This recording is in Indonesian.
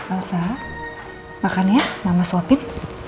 elsa makan ya mama suapin